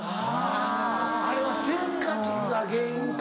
あぁあれはせっかちが原因か。